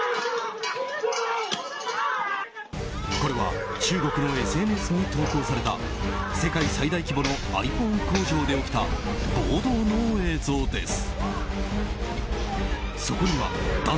これは中国のＳＮＳに投稿された世界最大規模のｉＰｈｏｎｅ工場で起きた暴動の映像です。